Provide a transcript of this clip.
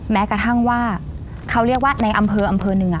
แม้กระทั่งว่าเขาเรียกว่าในอำเภออำเภอหนึ่ง